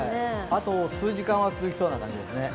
あと数時間は続きそうな感じですね。